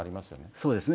そうですね。